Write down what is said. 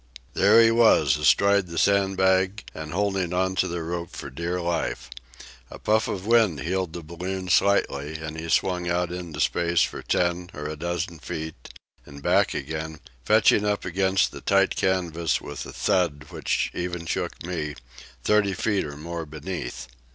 There he was, astride the sandbag and holding on to the rope for dear life. A puff of wind heeled the balloon slightly, and he swung out into space for ten or a dozen feet, and back again, fetching up against the tight canvas with a thud which even shook me, thirty feet or more beneath.